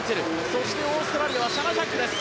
そしてオーストラリアはシャナ・ジャックです。